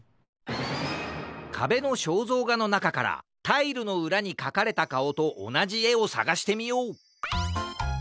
かべのしょうぞうがのなかからタイルのうらにかかれたかおとおなじえをさがしてみよう！